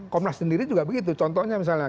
komnas sendiri juga begitu contohnya misalnya